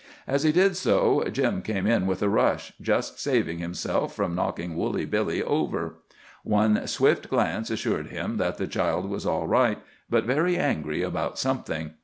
As he did so, Jim came in with a rush, just saving himself from knocking Woolly Billy over. One swift glance assured him that the child was all right, but very angry about something.